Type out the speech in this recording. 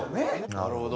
なるほど。